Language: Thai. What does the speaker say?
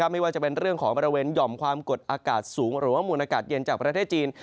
ไม่ว่าจะเป็นเรื่องของบริเวณหย่อมความกดอากาศสูงหรือว่ามูลอากาศเย็นจากประเทศจีน